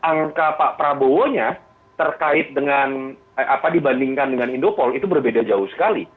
angka pak prabowo nya terkait dengan apa dibandingkan dengan indopol itu berbeda jauh sekali